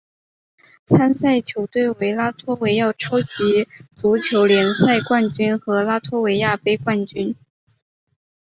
参赛球队为拉脱维亚超级足球联赛冠军和拉脱维亚杯冠军。